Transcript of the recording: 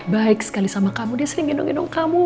baik sekali sama kamu dia sering gendong gendong kamu